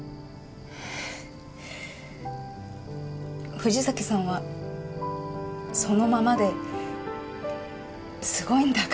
藤崎さんはそのままですごいんだから。